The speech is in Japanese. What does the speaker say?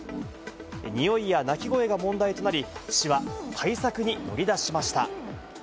においや鳴き声が問題となり、市は対策に乗り出しました。